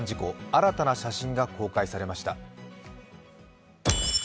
新たな写真が公開されました。